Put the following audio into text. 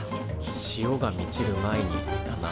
「潮が満ちる前に」だな。